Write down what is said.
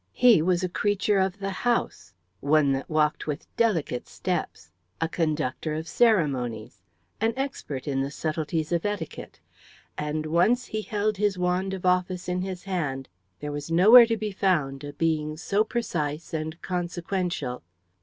He was a creature of the house, one that walked with delicate steps, a conductor of ceremonies, an expert in the subtleties of etiquette; and once he held his wand of office in his hand, there was nowhere to be found a being so precise and consequential.